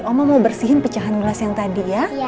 oma mau bersihin pecahan gelas yang tadi ya